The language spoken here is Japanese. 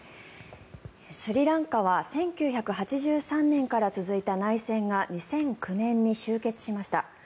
スリランカは１９８３年から続いた内戦が２００９年に終結しました。